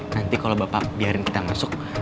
nanti kalau bapak biarin kita masuk